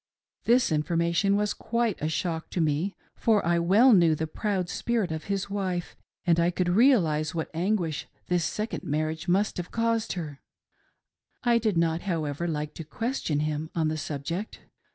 This information was quite a shock to me, for I well knew the proud spirit of his wife and I could realise what anguish this second marriage must have : caused her,; I did not, however, like to question him on the subject.